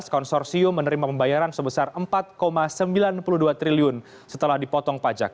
konsorsium menerima pembayaran sebesar rp empat sembilan puluh dua triliun setelah dipotong pajak